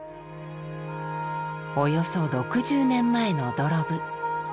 およそ６０年前の土呂部。